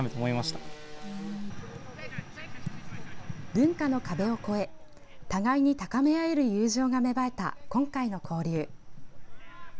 文化の壁を越え互いに高め合える友情が芽生えた今回の交流。